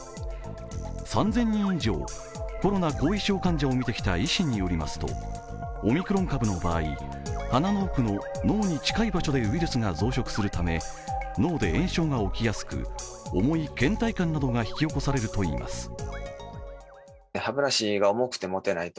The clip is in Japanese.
３０００人以上、コロナ後遺症患者を診てきた医師によりますとオミクロン株の場合、鼻の奥の脳に近い場所でウイルスが増殖するため脳で炎症が起きやすく重いけん怠感などが引き起こされるといいます。